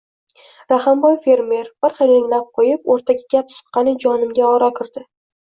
Rahimboy fermer, bir hiringlab qo‘yib, o‘rtaga gap suqqani jonimga ora kirdi: